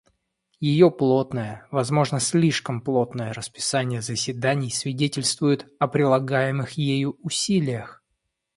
Ее плотное — возможно, слишком плотное — расписание заседаний свидетельствует о прилагаемых ею усилиях.